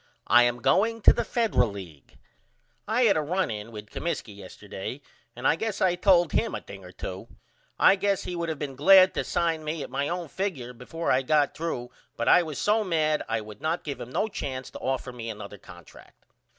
I am going to the Federal League. I had a run in with Comiskey yesterday and I guess I told him a thing or 2. I guess he would of been glad to sign me at my own figure before I got threw but I was so mad I would not give him no chance to offer me another contract.